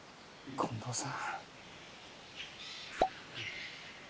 近藤さん。